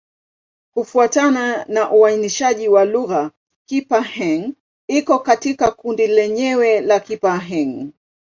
Kufuatana na uainishaji wa lugha, Kipa-Hng iko katika kundi lake lenyewe la Kipa-Hng.